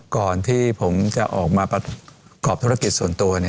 ก่อนที่ผมจะออกมาประกอบธุรกิจส่วนตัว